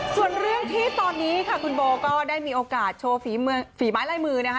ส่วนเรื่องที่ตอนนี้ค่ะคุณโบก็ได้มีโอกาสโชว์ฝีมือฝีไม้ลายมือนะคะ